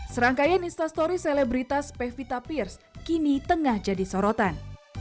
serangkaian instastory selebritas pevita piers kini tengah jadi sorotan